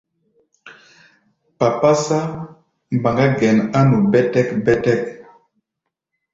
Papásá mbaŋá gɛn á nu bɛ́tɛ́k-bɛ́tɛ́k.